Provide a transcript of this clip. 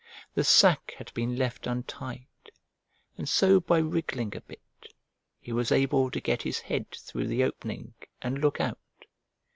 The sack had been left untied, and so by wriggling a bit he was able to get his head through the opening and look out.